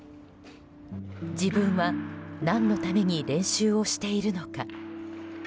自分は何のために練習をしているのか。